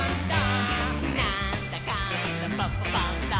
「なんだかんだパパ★パンダ」